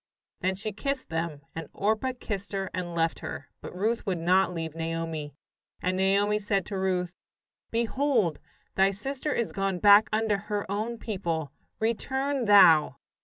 Then she kissed them, and Orpah kissed her and left her, but Ruth would not leave Naomi. And Naomi said to Ruth: "Behold, thy sister is gone back unto her own people; return thou!"